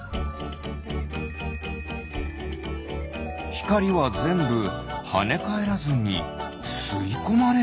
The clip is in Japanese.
ひかりはぜんぶはねかえらずにすいこまれる。